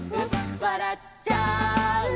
「わらっちゃうね」